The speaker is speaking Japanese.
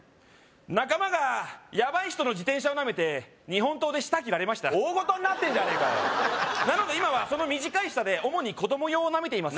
仲間がヤバい人の自転車をなめて日本刀で舌切られました大ごとになってんじゃねえかよなので今はその短い舌で主に子供用をなめています